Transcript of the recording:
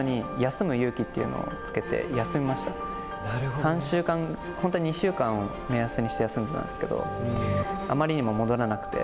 ３週間本当は２週間を目安にして休んでたんですけれどもあまりにも戻らなくて。